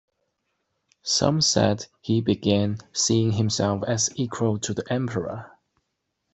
Some said he began seeing himself as equal to the emperor.